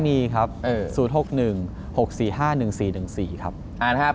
มีครับ๐๖๑๖๔๕๑๔๑๔ครับ